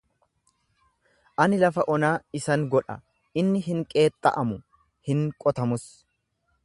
Ani lafa onaa isan godha inni hin qeexxa'amu hin qotamus.